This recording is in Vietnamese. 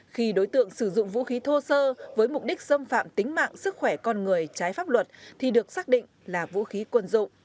khi đối tượng sử dụng vũ khí thô sơ với mục đích xâm phạm tính mạng sức khỏe con người trái pháp luật thì được xác định là vũ khí quân dụng